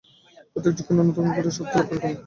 প্রত্যেক যুগকে নূতন করিয়া আবার ঐ শক্তি লাভ করিতে হইবে।